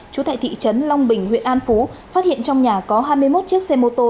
trú tại thị trấn long bình huyện an phú phát hiện trong nhà có hai mươi một chiếc xe mô tô